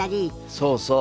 そうそう。